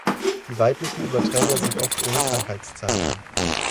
Die weiblichen Überträger sind oft ohne Krankheitszeichen.